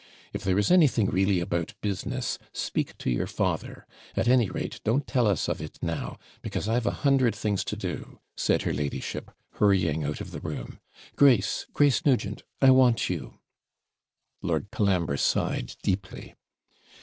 If there is anything really about business, speak to your father. At any rate, don't tell us of it now, because I've a hundred things to do,' said her ladyship, hurrying out of the room, 'Grace Grace Nugent! I want you!' Lord Colambre sighed deeply.